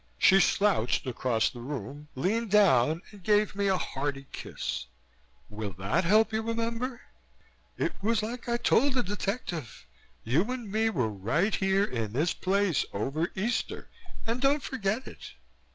She slouched across the room, leaned down and gave me a hearty kiss. "Will that help you remember? It was like I told that detective. You and me were right here in this place over Easter and don't forget it."